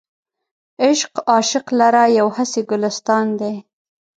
عشق عاشق لره یو هسې ګلستان دی.